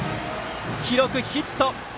記録、ヒット！